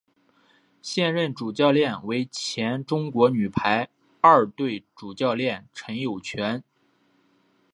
现任主教练为前中国女排二队主教练陈友泉。